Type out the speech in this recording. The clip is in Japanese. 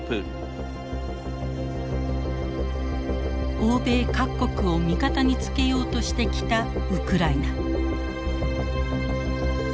欧米各国を味方につけようとしてきたウクライナ。